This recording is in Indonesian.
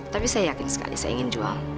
tapi saya yakin sekali saya ingin jual